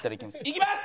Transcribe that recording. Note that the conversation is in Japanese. いきます！